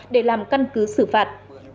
để làm căn cứ xử phạt